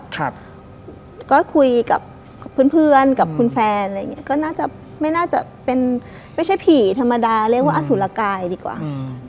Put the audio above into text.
ก็คุยกับเพื่อนกับคุณแฟนไม่ใช่ผีธรรมดาเรียกว่าอสุรกายดีกว่า